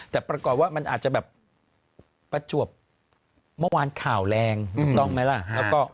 แต่ปรากฏว่ามันอาจจะแบบประจวบเมื่อวานข่าวแรงถูกต้องไหมล่ะ